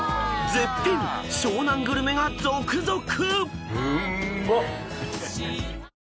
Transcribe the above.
［絶品湘南グルメが続々］